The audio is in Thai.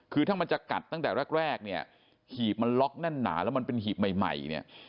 คือถ้ามันจะกัดตั้งแต่แรกแรกเนี่ยหีบมันล็อกแน่นหนาแล้วมันเป็นหีบใหม่เนี่ย